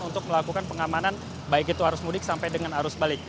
untuk melakukan pengamanan baik itu arus mudik sampai dengan arus balik